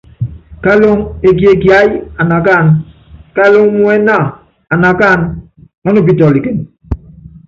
Kaluŋo ekie kiáyí anakáan, kalúŋu muɛnɛ́a, anakáana, ɔ́nupítɔ́likɛn.